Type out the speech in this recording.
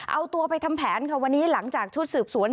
เอาตัวไปทำแผนค่ะวันนี้หลังจากชุดสืบสวน